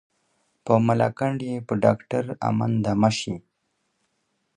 په ملاکنډ یې په ډاکټر امن دمه شي.